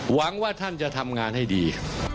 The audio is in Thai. หวังว่าท่านจะทำงานให้ดี